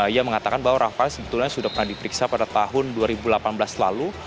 ia mengatakan bahwa rafael sebetulnya sudah pernah diperiksa pada tahun dua ribu delapan belas lalu